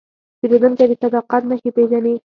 پیرودونکی د صداقت نښې پېژني.